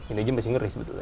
ini aja masih ngeri sebetulnya